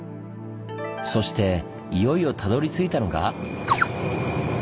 そしていよいよたどりついたのが！